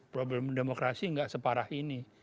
problem demokrasi gak separah ini